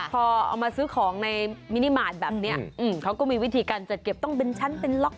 พอเอามาซื้อของในมินิมาตรแบบนี้เขาก็มีวิธีการจัดเก็บต้องเป็นชั้นเป็นล็อก